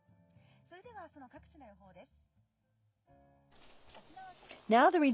それでは、あすの各地の予報です。